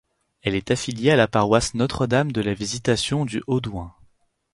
Elle est affiliée à la paroisse Notre-Dame-de-la-Vistitation du Haudouin.